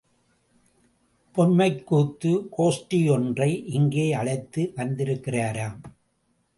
பொம்மைக்கூத்து கோஷ்டி ஒன்றை இங்கே அழைத்து வந்திருக்கிறாராம்.